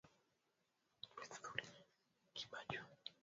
vachu hutumia fitna kuipaka ili vanukie vidhuri